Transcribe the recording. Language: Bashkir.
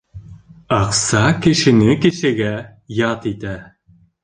Аҡса кешене кешегә ят итә.